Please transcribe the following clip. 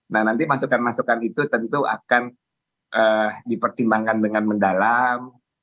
nah nanti masukan masukan itu tentu akan dipertimbangkan dengan mendalam